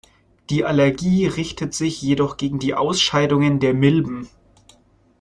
Die Allergie richtet sich jedoch gegen die Ausscheidungen der Milben.